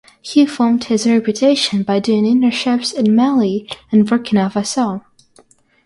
He formed his reputation by doing internships in Mali and Burkina Faso.